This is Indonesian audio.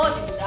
aduh si muda